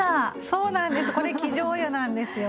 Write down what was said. そうなんですこれ生醤油なんですよ。